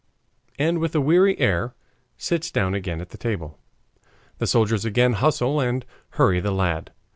and with a weary air sits down again at the table. The soldiers again hustle and hurry the lad.